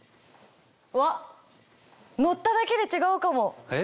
うわっ乗っただけで違うかも。